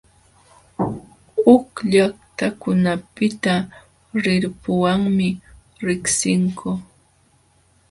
Huk llaqtakunapiqa rirpuwanmi riqsinku.